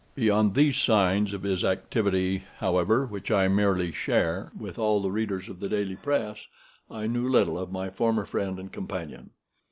Beyond these signs of his activity, however, which I merely shared with all the readers of the daily press, I knew little of my former friend and companion.